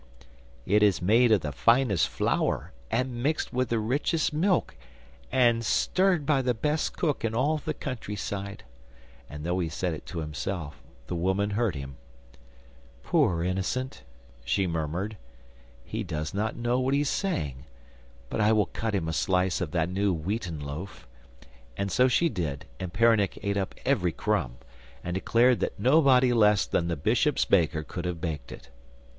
'It is made of the finest flour and mixed with the richest milk and stirred by the best cook in all the countryside,' and though he said it to himself, the woman heard him. 'Poor innocent,' she murmured, 'he does not know what he is saying, but I will cut him a slice of that new wheaten loaf,' and so she did, and Peronnik ate up every crumb, and declared that nobody less than the bishop's baker could have baked it.